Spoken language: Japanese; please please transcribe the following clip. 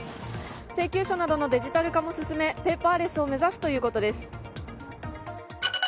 請求書などのデジタル化も進めペーパーレスを目指すということです。